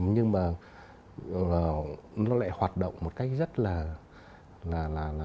nhưng mà nó lại hoạt động một cách rất là